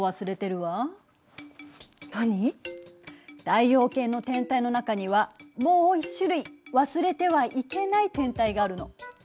太陽系の天体の中にはもう一種類忘れてはいけない天体があるの。